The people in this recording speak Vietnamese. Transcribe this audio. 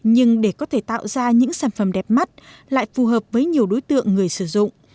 nhưng để có thể tạo ra những sản phẩm đẹp mắt lại phù hợp với nhiều đối tượng người sử dụng